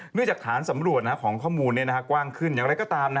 จากฐานสำรวจของข้อมูลกว้างขึ้นอย่างไรก็ตาม